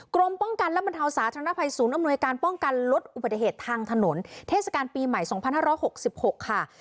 กรมป้องกันและบรรเทาสาธารณภัยศูนย์อำนวยการป้องกันลดอุบัติเหตุทางถนนเทศกาลปีใหม่๒๕๖๖ค่ะ